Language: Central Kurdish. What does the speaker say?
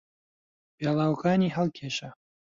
پێڵاوەکانی هەڵکێشا.